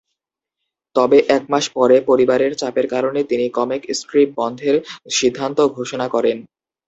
তবে এক মাস পরে, পরিবারের চাপের কারণে তিনি কমিক স্ট্রিপ বন্ধের সিদ্ধান্ত ঘোষণা করেন।